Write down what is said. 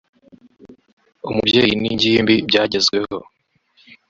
umubyeyi n’ingimbi byagezweho